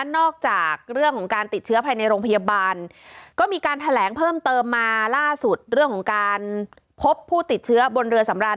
นอกจากเรื่องของการติดเชื้อภายในโรงพยาบาลก็มีการแถลงเพิ่มเติมมาล่าสุดเรื่องของการพบผู้ติดเชื้อบนเรือสำราน